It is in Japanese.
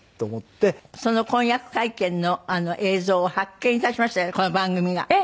その婚約会見の映像を発見いたしましたのでこの番組が。